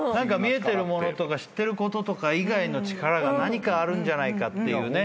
見えてるものとか知ってることとか以外の力が何かあるんじゃないかっていう。